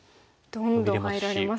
どんどん入られますね。